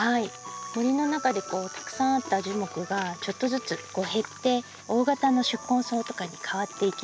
森の中でたくさんあった樹木がちょっとずつ減って大型の宿根草とかにかわっていきます。